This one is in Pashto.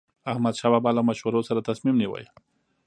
احمدشاه بابا به له مشورو سره تصمیم نیوه.